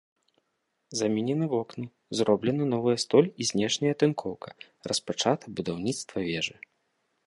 Заменены вокны, зроблена новая столь і знешняя атынкоўка, распачата будаўніцтва вежы.